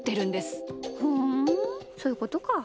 ふんそういうことか。